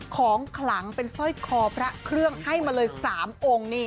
ของขลังเป็นสร้อยคอพระเครื่องให้มาเลย๓องค์นี่